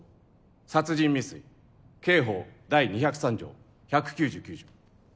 殺人未遂刑法第２０３条１９９条。